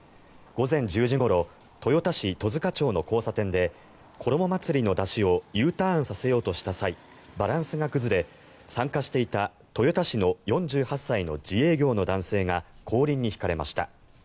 午前１０時ごろ豊田市十塚町の交差点で挙母祭りの山車をＵターンさせようとした際バランスが崩れ、参加していた豊田市の４８歳の自営業の男性が後輪にひかれました。